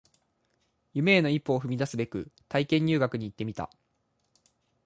夢への一歩を踏み出すべく体験入学に行ってみた